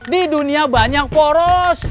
di dunia banyak poros